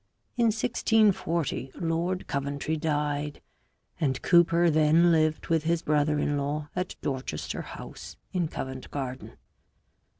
In 1640 Lord Coventry died, and Cooper then lived with his brother in law at Dorchester House in Covent Garden.